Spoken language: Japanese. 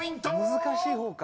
難しい方か。